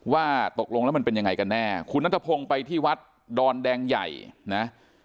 ว่าตกลงแล้วมันเป็นยังไงกันแน่คุณนัทพงศ์ไปที่วัดดอนแดงใหญ่นะ